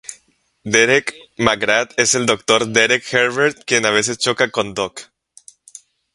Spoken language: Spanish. Derek McGrath es el Dr. Derek Herbert, quien a veces choca con Doc.